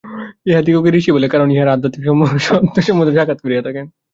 ইঁহাদিগকেই ঋষি বলে, কারণ ইঁহারা আধ্যাত্মিক সত্যসমূহ সাক্ষাৎ করিয়া থাকেন।